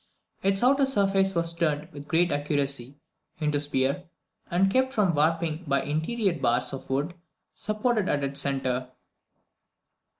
Its outer surface was turned with great accuracy into a sphere, and kept from warping by interior bars of wood supported at its centre.